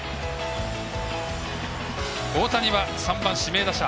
大谷は３番指名打者。